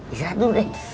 istirahat dulu deh